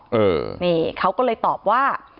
อืมนี่เขาก็เลยตอบว่า